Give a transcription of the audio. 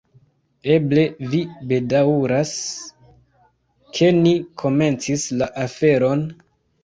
Eble vi bedaŭras, ke ni komencis la aferon?